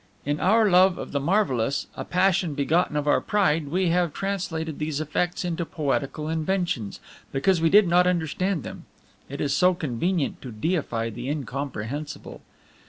In our love of the marvelous, a passion begotten of our pride, we have translated these effects into poetical inventions, because we did not understand them. It is so convenient to deify the incomprehensible!